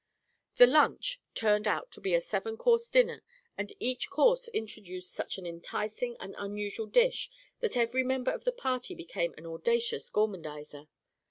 The "lunch" turned out to be a seven course dinner and each course introduced such an enticing and unusual dish that every member of the party became an audacious gormandizer.